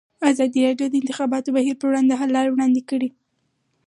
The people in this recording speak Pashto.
ازادي راډیو د د انتخاباتو بهیر پر وړاندې د حل لارې وړاندې کړي.